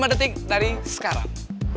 dua puluh lima detik dari sekarang